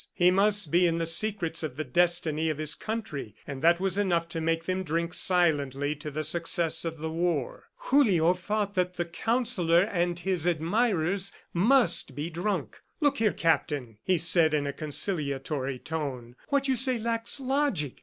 He must be in the secrets of the destiny of his country, and that was enough to make them drink silently to the success of the war. Julio thought that the Counsellor and his admirers must be drunk. "Look here, Captain," he said in a conciliatory tone, "what you say lacks logic.